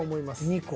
２個。